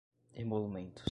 emolumentos